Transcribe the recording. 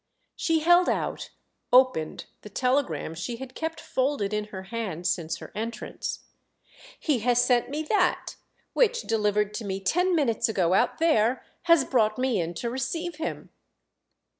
She held out, opened, the telegram she had kept folded in her hand since her entrance. "He has sent me that—which, delivered to me ten minutes ago out there, has brought me in to receive him."